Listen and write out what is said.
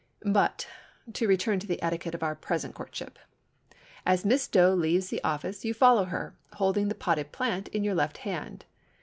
But to return to the etiquette of our present courtship. As Miss Doe leaves the office you follow her, holding the potted plant in your left hand.